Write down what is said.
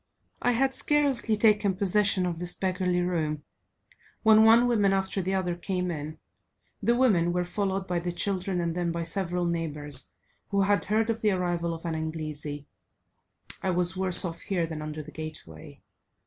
I had scarcely taken possession of this beggarly room, when one woman after the other came in; the women were followed by the children, and then by several neighbours, who had heard of the arrival of an Inglesi; I was worse off here than under the gateway.